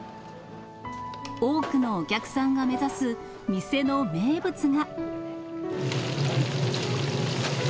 多くのお客さんが目指す店の名物が。